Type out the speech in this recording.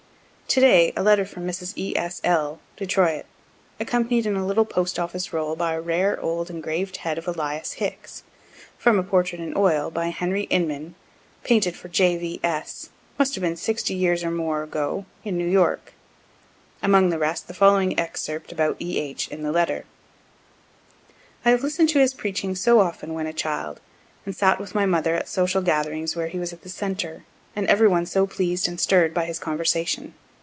To day a letter from Mrs. E. S. L., Detroit, accompanied in a little post office roll by a rare old engraved head of Elias Hicks, (from a portrait in oil by Henry Inman, painted for J. V. S., must have been 60 years or more ago, in New York) among the rest the following excerpt about E. H. in the letter: "I have listen'd to his preaching so often when a child, and sat with my mother at social gatherings where he was the centre, and every one so pleas'd and stirr'd by his conversation.